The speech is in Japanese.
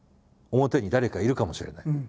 「表に誰かいるかもしれない」。